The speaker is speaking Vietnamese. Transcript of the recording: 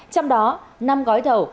trong đó năm gói thầu